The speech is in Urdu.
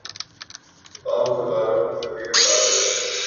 تمام مسلمانوں کو ترکی کا ساتھ دینا چاہئے